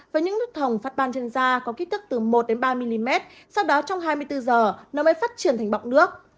và những nước thồng phát ban trên da có kích thước từ một ba mm sau đó trong hai mươi bốn h nó mới phát triển thành bọc nước